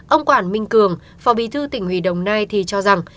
ông quản minh cường phò bí thư tỉnh huy đồng nai thì cho rằng